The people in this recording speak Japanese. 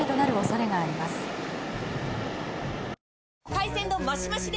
海鮮丼マシマシで！